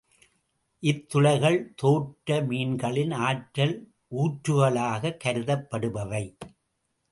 இத்துளைகள் தோற்ற மீன்களின் ஆற்றல் ஊற்றுகளாகக் கருதப்படுபவை.